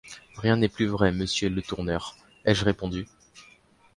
Rien n’est plus vrai, monsieur Letourneur, ai-je répondu.